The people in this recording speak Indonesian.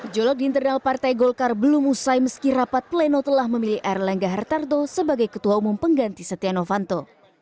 jolok di internal partai golkar belum usai meski rapat pleno telah memilih erlangga hartarto sebagai ketua umum pengganti setia novanto